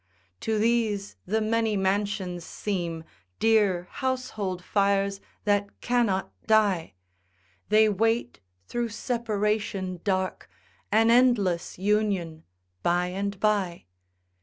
To these the many mansions seem Dear household fires that cannot die; They wait through separation dark An endless union by and by.